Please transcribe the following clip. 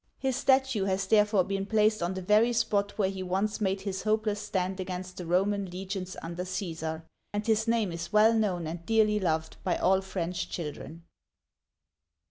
His statue has therefore been placed on the very spot where he once made his hopeless stand against the Roman legions under Caesar, and his name is well known and dearly loved by all French children.